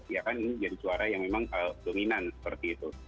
dan saya merasakan ini menjadi suara yang memang dominan seperti itu